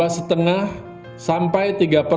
dua lima sampai tiga persen